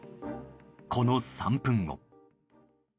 この３分後。